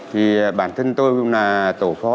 thì bản thân tôi là tổ phó